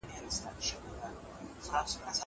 زه اجازه لرم چي لوښي وچوم!!